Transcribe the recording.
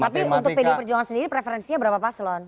tapi untuk pdi perjuangan sendiri preferensinya berapa paslon